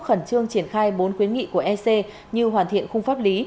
khẩn trương triển khai bốn khuyến nghị của ec như hoàn thiện khung pháp lý